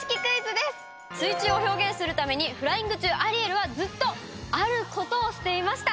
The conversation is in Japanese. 水中を表現するためにフライング中アリエルはずっとあることをしていました